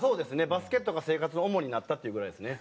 バスケットが生活の主になったっていうぐらいですね。